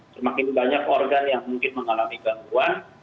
semakin banyak organ yang mungkin mengalami gangguan